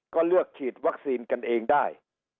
ก็เลือกฉีดวัคซีนกันเองได้